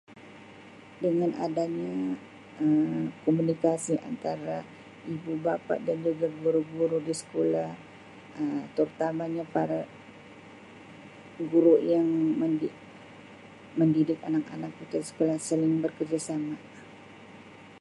Dengan adanya Um komunikasi antara ibu-bapa dan juga guru-guru di skula Um terutamanya para guru yang mendi-mendidik anak-anak [unintelligible] sering bekerjasama.